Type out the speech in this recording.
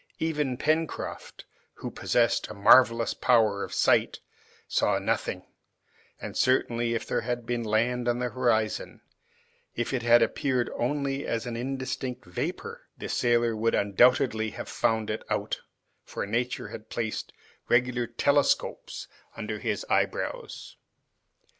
Even Pencroft, who possessed a marvelous power of sight, saw nothing; and certainly if there had been land at the horizon, if it appeared only as an indistinct vapor, the sailor would undoubtedly have found it out, for nature had placed regular telescopes under his eyebrows.